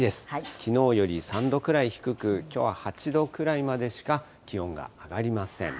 きのうより３度くらい低く、きょうは８度くらいまでしか気温が上がりません。